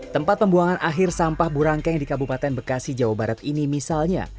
tempat pembuangan akhir sampah burangkeng di kabupaten bekasi jawa barat ini misalnya